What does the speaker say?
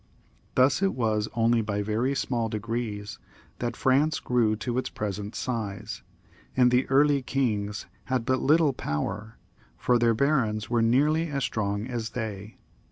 Thus it was only by very small degrees that France grew to its present size, and the early kings had but little power, for their barons were nearly as strong as they.